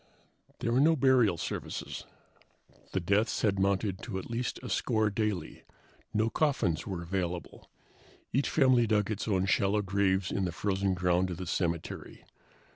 There were no burial services. The deaths had mounted to at least a score daily. No coffins were available. Each family dug its own shallow graves in the frozen ground of the cemetery.